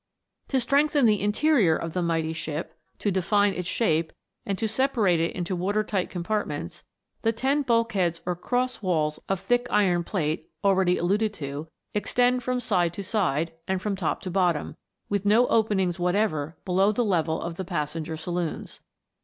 To strengthen the interior of the mighty ship, to define its shape, and to separate it into water tight compartments, THE WONDERFUL LAMP. 321 the ten bulkheads or cross walls of thick iron plate, already alluded to, extend from side to side, and from bottom to top, with no openings whatever below the level of the passenger saloons.